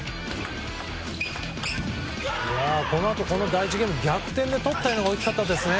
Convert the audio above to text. このあとこの第１ゲーム逆転でとったのが大きかったですね。